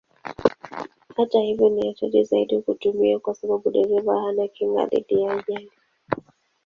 Hata hivyo ni hatari zaidi kuitumia kwa sababu dereva hana kinga dhidi ya ajali.